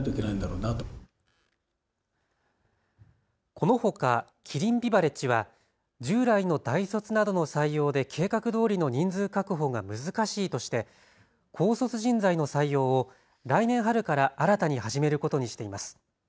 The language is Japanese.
このほかキリンビバレッジは従来の大卒などの採用で計画どおりの人数確保が難しいとして高卒人材の採用を来年春から新たに始めることにしています。